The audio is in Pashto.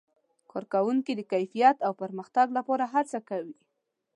کارکوونکي د کیفیت او پرمختګ لپاره هڅه کوي.